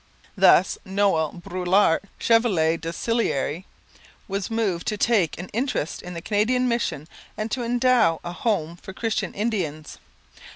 Thus Noel Brulart, Chevalier de Sillery, was moved to take an interest in the Canadian mission and to endow a home for Christian Indians.